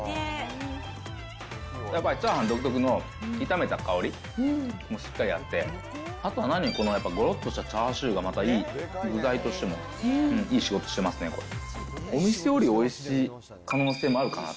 やっぱりチャーハン独特の炒めた香りもしっかりあって、あと何、このやっぱごろっとしたチャーシューがまたいい、具材としてもいい仕事してますね、これ。